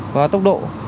quá tốc độ